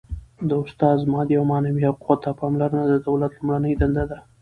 د استاد مادي او معنوي حقوقو ته پاملرنه د دولت لومړنۍ دنده ده.